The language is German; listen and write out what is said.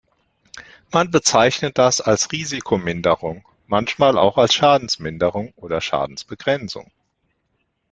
Man bezeichnet das als Risikominderung manchmal auch als Schadensminderung oder Schadensbegrenzung.